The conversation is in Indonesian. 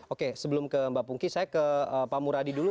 oke sebelum ke mbak pungki saya ke pak muradi dulu